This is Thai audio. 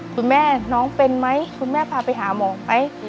คุณแม่น้องเป็นไหมคุณแม่พาไปหาหมอไหม